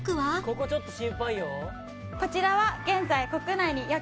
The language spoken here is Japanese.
「ここちょっと心配よ」